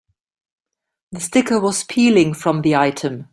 The sticker was peeling from the item.